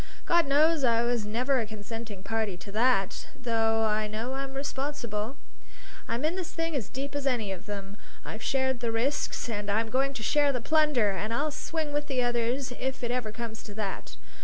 God knows I was never a consenting party to that, though I know I'm responsible. I'm in this thing as deep as any of them. I've shared the risks and I'm going to share the plunder, and I'll swing with the others if it ever comes to that.